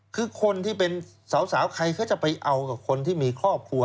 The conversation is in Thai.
คือคนที่เป็นสาวใครก็จะไปเอากับคนที่มีครอบครัว